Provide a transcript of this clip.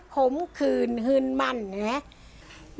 ขมคืนฮืนมันอย่างนี้